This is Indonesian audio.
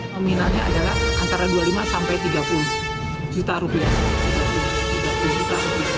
nominalnya adalah antara dua puluh lima sampai tiga puluh juta rupiah